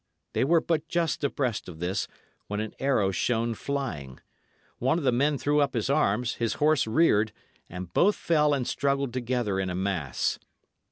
They were but just abreast of this, when an arrow shone flying. One of the men threw up his arms, his horse reared, and both fell and struggled together in a mass.